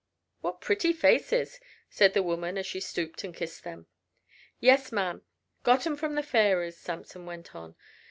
"What pretty faces!" said the woman as she stooped and kissed them. "Yes, ma'am. Got 'em from the fairies," Samson went on.